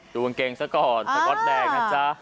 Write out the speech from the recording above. กางเกงซะก่อนสก๊อตแดงนะจ๊ะ